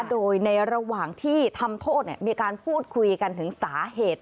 โดยในระหว่างที่ทำโทษมีการพูดคุยกันถึงสาเหตุ